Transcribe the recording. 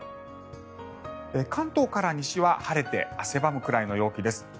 関東から西は晴れて汗ばむくらいの陽気です。